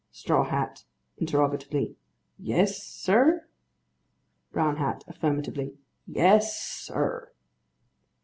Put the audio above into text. STRAW HAT. (Interrogatively.) Yes, sir? BROWN HAT. (Affirmatively.) Yes, sir.